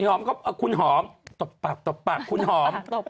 อีหอมก็คุณหอมตบปักคุณหอม